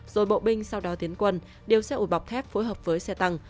rồi bộ binh sau đó tiến quân đều xe ủi bọc thép phối hợp với xe tăng